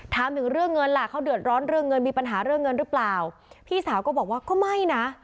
ถามถึงเรื่องเงินล่ะเขาเดือดร้อนเรื่องเงินมีปัญหาเรื่องเงินหรือเปล่าพี่สาวก็บอกว่าก็ไม่นะ